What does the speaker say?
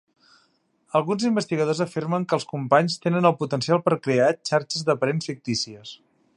Alguns investigadors afirmen que els companys tenen el potencial per crear xarxes de parents fictícies.